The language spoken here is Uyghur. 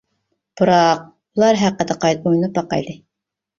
بىراق ئۇلار ھەققىدە قايتا ئويلىنىپ باقايلى.